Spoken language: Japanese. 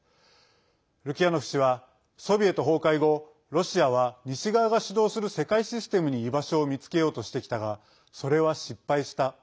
ルキヤノフ氏はソビエト崩壊後、ロシアは西側が主導する世界システムに居場所を見つけようとしてきたがそれは失敗した。